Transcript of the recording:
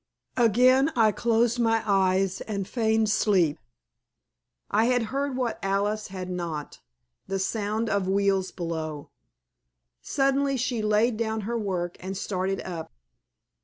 Again I closed my eyes and feigned sleep. I had heard what Alice had not, the sound of wheels below. Suddenly she laid down her work and started up.